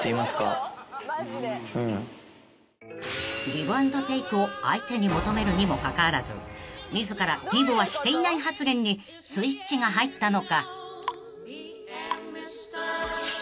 ［ギブ＆テイクを相手に求めるにもかかわらず自らギブはしていない発言にスイッチが入ったのか］